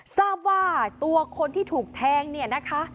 ทราบว่าตัวคนที่ถูกแทงเนี่ยนะคะ